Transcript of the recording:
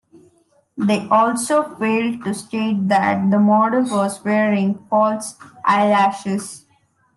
They also failed to state that the model was wearing false eyelashes.